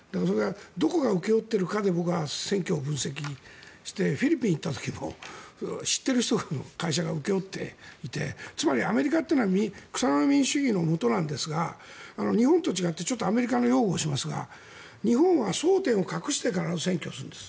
どこが請け負っているかで僕は選挙を分析してフィリピンに行ったんですが知ってる人の会社が請け負っていてつまりアメリカというのは草の根民主主義のもとですが日本と違ってアメリカの擁護をしますが日本は争点を隠して必ず選挙をするんです。